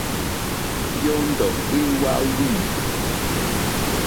Yɔ́ndɔ̀ é wáwî.